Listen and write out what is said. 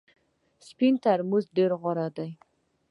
سپین ترموز ډېر غوره دی .